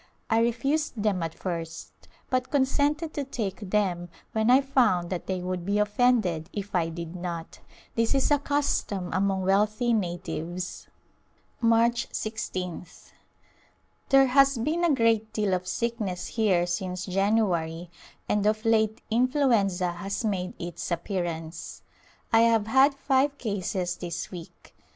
I refused them at first but consented to take them when I found that they would be offended if I did not. This is a custom among wealthy natives. March 1 6th. There as been a great deal of sickness here since January and of late influenza has made its appear ance. I have had five cases this week.